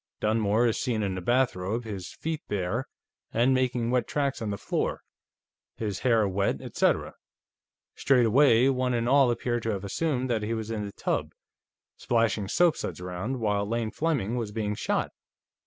Dunmore is seen in a bathrobe, his feet bare and making wet tracks on the floor, his hair wet, etcetera. Straightaway, one and all appear to have assumed that he was in the tub, splashing soapsuds around, while Lane Fleming was being shot.